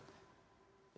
yang pendukung ganjar